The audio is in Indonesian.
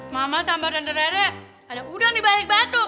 mama sama tante rere ada udang dibalik batu